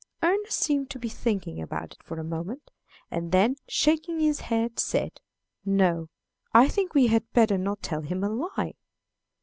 "Ernest seemed to be thinking about it for a moment, and then, shaking his head, said, 'No, I think we had better not tell him a lie!'